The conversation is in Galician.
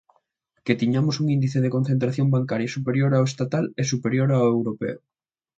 Que tiñamos un índice de concentración bancaria superior ao estatal, e superior ao europeo.